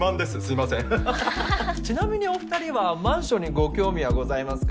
ちなみにお２人はマンションにご興味はございますか？